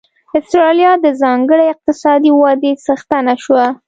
اسټرالیا د ځانګړې اقتصادي ودې څښتنه شوه.